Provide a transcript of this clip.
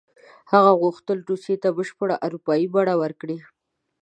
هغه غوښتل روسیې ته بشپړه اروپایي بڼه ورکړي.